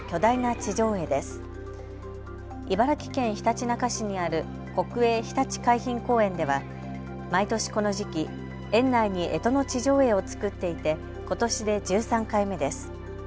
茨城県ひたちなか市にある国営ひたち海浜公園では毎年この時期、園内にえとの地上絵を作っていてことしで１３回目です。